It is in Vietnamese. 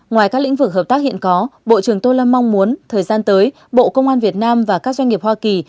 ngoài các lĩnh vực hợp tác hiện có bộ trưởng tô lâm mong muốn thời gian tới bộ công an việt nam và các doanh nghiệp hoa kỳ